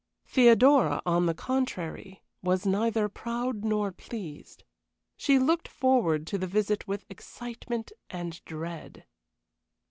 Theodora, on the contrary, was neither proud nor pleased. She looked forward to the visit with excitement and dread.